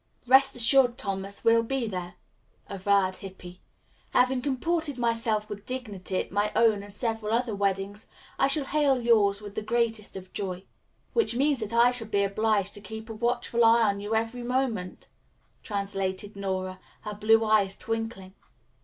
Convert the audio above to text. "Rest assured, Thomas, we'll be there," averred Hippy. "Having comported myself with dignity at my own and several other weddings, I shall hail yours with the greatest of joy." "Which means that I shall be obliged to keep a watchful eye on you every moment," translated Nora, her blue eyes twinkling.